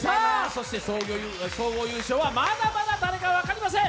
そして総合優勝はまだまだ誰か分かりません。